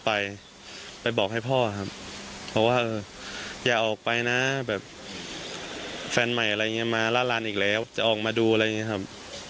เพราะว่าอย่าออกไปนะแบบแฟนใหม่อะไรอย่างเงี้ยมาร้านร้านอีกแล้วจะออกมาดูอะไรอย่างเงี้ยครับ